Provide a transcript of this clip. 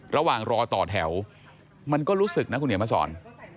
ระหว่างรอต่อแถวมันก็รู้สึกนะคุณเหนียวมาสอน